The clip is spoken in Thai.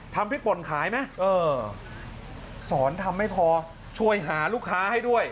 ทำพริกป่นขายไหมสอนทำให้ทอช่วยหาลูกค้าให้ด้วย